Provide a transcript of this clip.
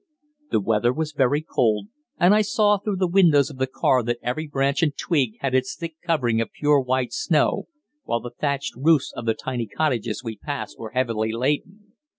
The weather was very cold, and I saw through the windows of the car that every branch and twig had its thick covering of pure white snow, while the thatched roofs of the tiny cottages we passed were heavily laden.